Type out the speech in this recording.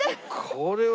これは。